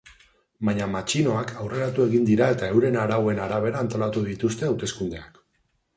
Baina matxinoak aurreratu egin dira eta euren arauen arabera antolatu dituzte hauteskundeak.